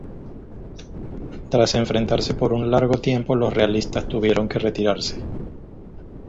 Tras enfrentarse por un largo tiempo los realistas tuvieron que retirarse.